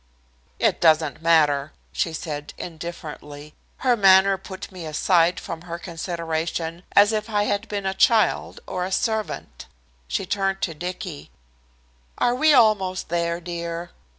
"It doesn't matter," she said indifferently. Her manner put me aside from her consideration as if I had been a child or a servant. She turned to Dicky. "Are we almost there, dear?"